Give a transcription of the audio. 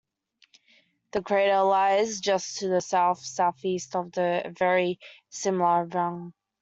The crater lies just to the south-southeast of the very similar Runge.